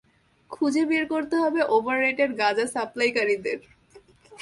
খুজে বের করতে হবে ওভাররেটেড গাঁজা সাপ্লায়কারিদের।